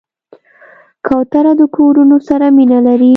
کوتره د کورونو سره مینه لري.